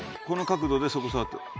この角度でそこ触って。